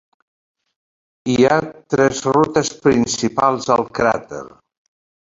Hi ha tres rutes principals al cràter.